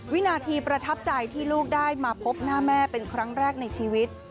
วินาทีประทับใจที่ลูกได้มาพบหน้าแม่เป็นครั้งแรกในชีวิต